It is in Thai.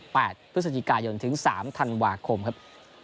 พฤศจิกายนถึงสามธันวาคมครับ